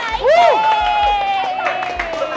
sampai jumpa lagi